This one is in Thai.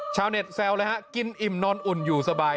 ชาวเน็ตแซวเลยฮะกินอิ่มนอนอุ่นอยู่สบาย